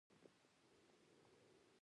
د اینځر خوراک هاضمه ښه کوي.